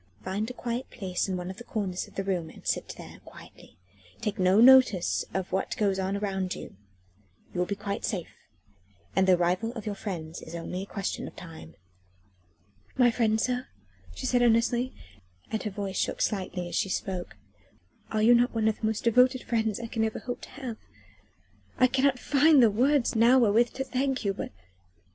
Find a quiet place in one of the corners of the room and sit there quietly, taking no notice of what goes on around you. You will be quite safe, and the arrival of your friends is only a question of time." "My friends, sir?" she said earnestly, and her voice shook slightly as she spoke, "are you not one of the most devoted friends I can ever hope to have? I cannot find the words now wherewith to thank you, but...."